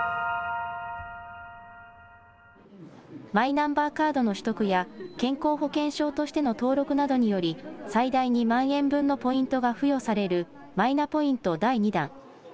マイナンバーカードの取得や健康保険証としての登録などにより最大２万円分のポイントが付与されるマイナポイント第２弾。